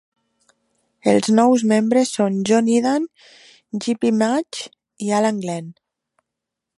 Els nous membres són John Idan, Gypie Maig i Alan Glen.